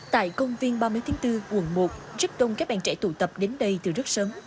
tại công viên ba mươi tháng bốn quận một rất đông các bạn trẻ tụ tập đến đây từ rất sớm